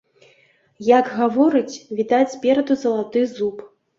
Як гаворыць, відаць спераду залаты зуб.